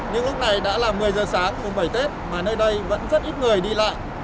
nhưng lúc này đã là một mươi giờ sáng mùng bảy tết mà nơi đây vẫn rất ít người đi lại